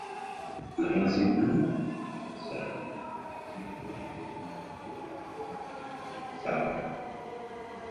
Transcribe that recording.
Abazigu basatu battiddwa e Bunnamwaya mu Makindye Ssaabagabo